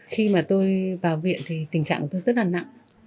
khi mà tôi vào viện thì tình trạng của tôi rất là nặng